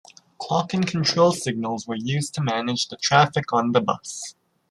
Clock and control signals were used to manage the traffic on the bus.